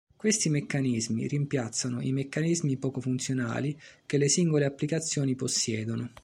Questi meccanismi rimpiazzano i meccanismi poco funzionali che le singole applicazioni possiedono.